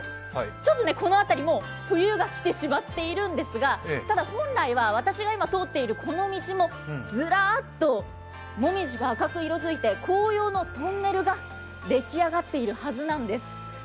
ちょっと、この辺り、もう冬が来てしまっているんですが、ただ、本来は私が今、通っているこの道もずらっともみじが赤く色づいて、紅葉のトンネルができ上がっているはずなんです。